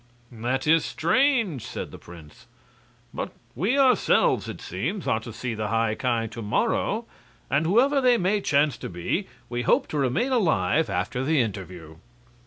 "That is strange," said the prince. "But we, ourselves, it seems, are to see the High Ki to morrow, and whoever they may chance to be, we hope to remain alive after the interview."